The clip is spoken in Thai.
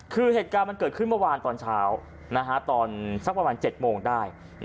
คือเหตุการณ์มันเกิดขึ้นเมื่อวานตอนเช้าตอนสักประมาณ๗โมงได้